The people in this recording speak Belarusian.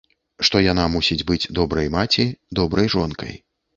Што яна мусіць быць добрай маці, добрай жонкай.